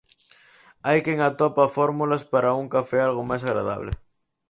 Hai quen atopa fórmulas para un café algo máis agradable.